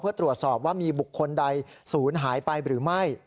เพื่อตรวจสอบว่ามีบุคคลใดศูนย์หายไปหรือไม่